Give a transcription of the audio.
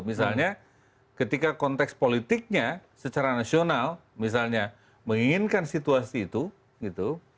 misalnya ketika konteks politiknya secara nasional misalnya menginginkan situasi itu gitu